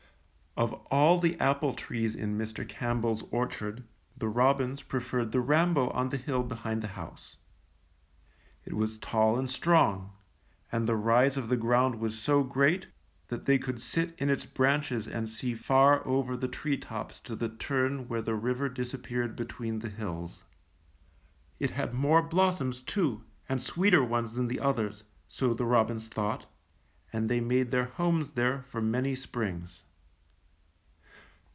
Of all the apple trees in Mr. CampbelPs orchard, the robins preferred the Rambo on the hill behind the house. It was tall and strong, and the rise of the ground was so great that they could sit in its branches and see far over the tree tops to the turn where the river disappeared between the hills. It had more blossoms, too, and sweeter ones than the others, so the robins thought, and they made their homes there for many springs.